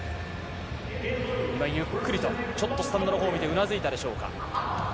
ゆっくりとちょっとスタンドのほうを見て、うなずいたでしょうか。